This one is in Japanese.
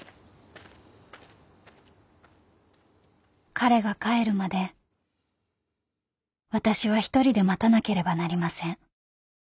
［彼が帰るまで私は一人で待たなければなりません］